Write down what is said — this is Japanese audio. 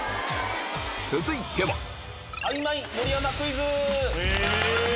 続いては何？